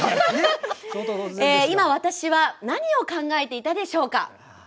今私は何を考えていたでしょうか？